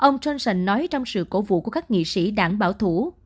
nói trong sự cổ vụ của các nghị sĩ đảng bảo thủ